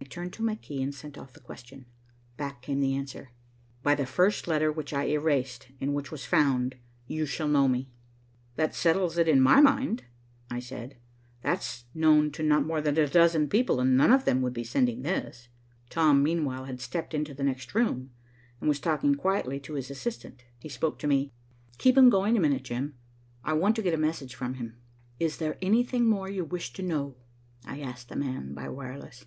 I turned to my key and sent off the question. Back came the answer. "By the first letter which I erased and which was found, you shall know me." "That settles it in my mind," I said. "That's known to not more than a dozen people, and none of them would be sending this." Tom, meanwhile, had stepped into the next room, and was talking quietly to his assistant. He spoke to me. "Keep him going a minute, Jim. I want to get a message from him." "Is there anything more you wish to know?" I asked the man by wireless.